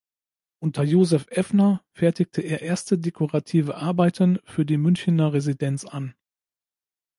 Unter Joseph Effner fertigte er erste dekorative Arbeiten für die Münchener Residenz an.